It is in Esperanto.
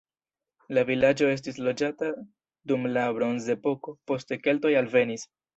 La vilaĝo estis loĝata dum la bronzepoko, poste keltoj alvenis.